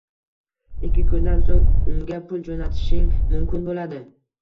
Ikki kundan so`ng unga pul jo`natishing mumkin bo`ladi